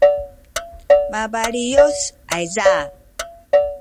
mabaliyus ayza